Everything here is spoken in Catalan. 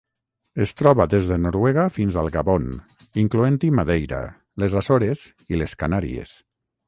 Es troba des de Noruega fins al Gabon, incloent-hi Madeira, les Açores i les Canàries.